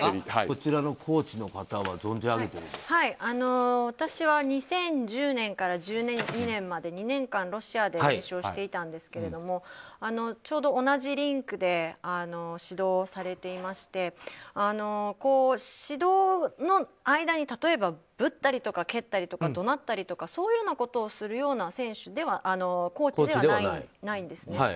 こちらのコーチの方は私は２０１０年から２０１２年まで２年間、ロシアで練習をしていたんですけどちょうど同じリンクで指導をされてまして指導の間にぶったりとか蹴ったりとか怒鳴ったりとかそういうことをするようなコーチではないんですね。